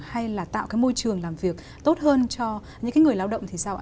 hay là tạo cái môi trường làm việc tốt hơn cho những cái người lao động thì sao ạ